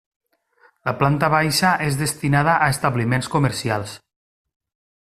La planta baixa és destinada a establiments comercials.